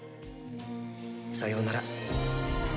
さようなら。